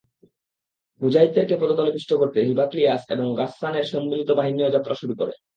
মুজাহিদদেরকে পদতলে পিষ্ট করতে হিরাক্লিয়াস এবং গাসসানের সম্মিলিত বাহিনীও যাত্রা শুরু করে।